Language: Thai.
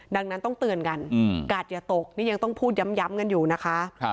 ดังนั้นต้องเตือนกันกาดอย่าตกนี่ยังต้องพูดย้ำกันอยู่นะคะ